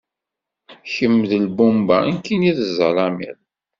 Kemm d lbumba, nekkini d zzalimiḍ.